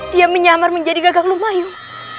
dia menyamar menjadi gagak lumain